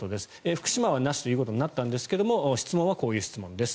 福島はなしということになったんですが質問はこういう質問です。